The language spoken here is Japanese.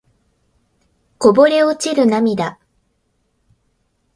こぼれ落ちる涙